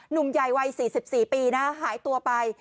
หนุ่มใหญ่วัย๔๔ปีนะหายตัวไป